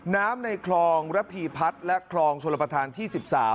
ในคลองระพีพัฒน์และคลองชลประธานที่๑๓